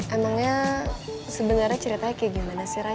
emangnya sebenarnya ceritanya kayak gimana sih